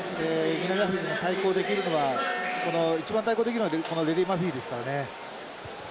南アフリカに対抗できるのは一番対抗できるのはこのレレィマフィですからね。